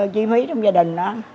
chi phí trong gia đình đó